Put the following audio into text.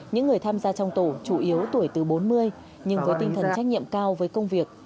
những người tham gia trong tổ chủ yếu tuổi từ bốn mươi nhưng với tinh thần trách nhiệm cao với công việc